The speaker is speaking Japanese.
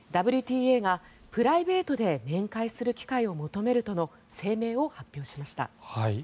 ＷＴＡがプライベートで面会する機会を求めるとの声明を発表しました。